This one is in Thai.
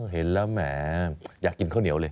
เห็นแล้วแหมอยากกินข้าวเหนียวเลย